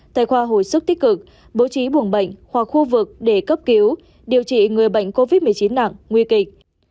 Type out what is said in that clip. tại khoa hồi sức tích cực bố trí buồng bệnh hoặc khu vực để cấp cứu điều trị người bệnh covid một mươi chín nặng nguy kịch